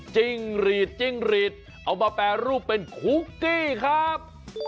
จิ้งหรีดจิ้งรีดเอามาแปรรูปเป็นคุกกี้ครับ